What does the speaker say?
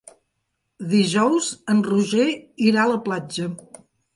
Dijous en Roger irà a la platja.